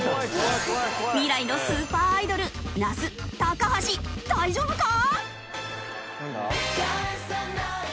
未来のスーパーアイドル那須橋大丈夫か！？